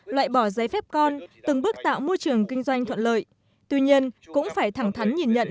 loại bỏ giấy phép con từng bước tạo môi trường kinh doanh thuận lợi tuy nhiên cũng phải thẳng thắn nhìn nhận